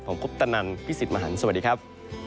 ผมคุปตนันพี่สิทธิ์มหันฯสวัสดีครับ